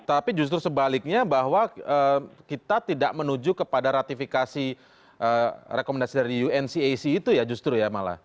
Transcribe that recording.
tapi justru sebaliknya bahwa kita tidak menuju kepada ratifikasi rekomendasi dari uncac itu ya justru ya malah